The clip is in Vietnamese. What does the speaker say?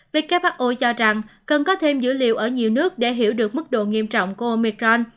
who cho rằng cần có thêm dữ liệu ở nhiều nước để hiểu được mức độ nghiêm trọng của oecron